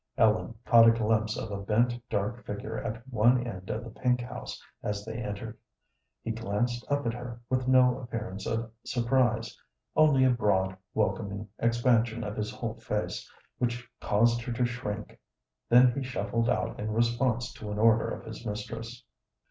Ellen caught a glimpse of a bent, dark figure at one end of the pink house as they entered; he glanced up at her with no appearance of surprise, only a broad, welcoming expansion of his whole face, which caused her to shrink; then he shuffled out in response to an order of his mistress.